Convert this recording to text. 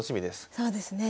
そうですね。